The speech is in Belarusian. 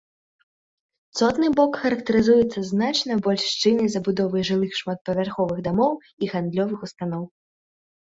Цотны бок характарызуецца значна больш шчыльнай забудовай жылых шматпавярховых дамоў і гандлёвых устаноў.